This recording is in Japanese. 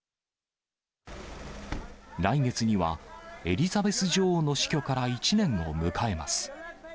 来月には、エリザベス女王の死去から１年を迎えます。